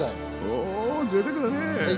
おぜいたくだねえ。